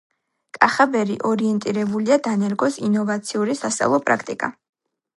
კახაბერი ორიენტირებულია დანერგოს ინოვაციური სასწავლო პრაქტიკა,